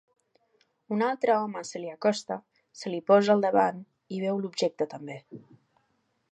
Un altre home se li acosta, se li posa al davant i veu l'objecte també.